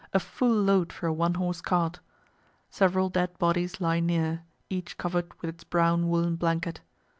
a full load for a one horse cart. Several dead bodies lie near, each cover'd with its brown woolen blanket.